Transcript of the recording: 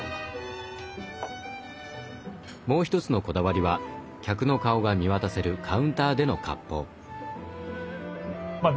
もうひとつのこだわりは客の顔が見渡せるカウンターでの割烹。